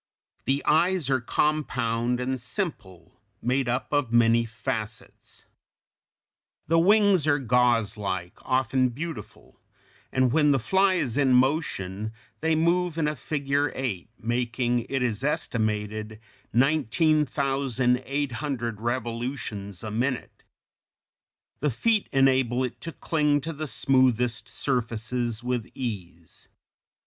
The eyes are compound and simple, made up of many facets (Fig 219). The wings are gauze like, often beautiful, and when the fly is in motion, they move in a figure eight, making, it is estimated, 19,800 revolutions a minute. The feet (Fig. 220) enable it to cling to the smoothest surfaces with ease.